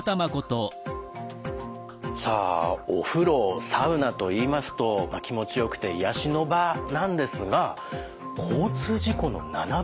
さあお風呂サウナといいますと気持ちよくて癒やしの場なんですが交通事故の７倍。